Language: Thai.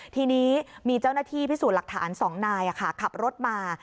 ทีนี้มีเจ้าหน้าที่พิสูจน์หลักฐาน๒นายขับรถมา